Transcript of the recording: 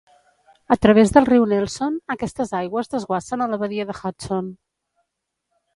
A través del riu Nelson aquestes aigües desguassen a la badia de Hudson.